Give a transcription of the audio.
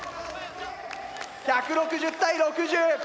１６０対６０！